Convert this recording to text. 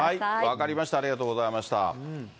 分かりました、ありがとうございました。